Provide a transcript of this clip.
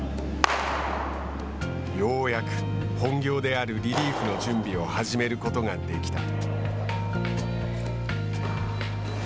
ようやく、本業であるリリーフの準備を始めることができた。